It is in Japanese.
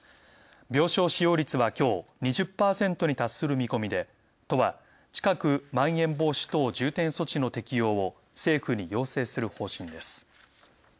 病床使用率はきょう「２０％」に達する見込みで都は近く「まん延防止等重点措置」の適用を政府に要請する方針です。